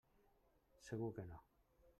Segur que no.